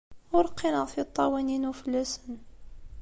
Ur qqineɣ tiṭṭawin-inu fell-asen.